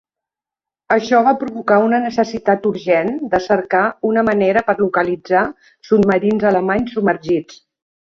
Això va provocar una necessitat urgent de cercar una manera per localitzar submarins alemanys submergits.